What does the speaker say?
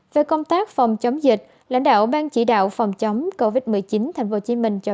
về công tác phòng chống dịch lãnh đạo ban chỉ đạo phòng chống covid một mươi chín thành phố hồ chí minh cho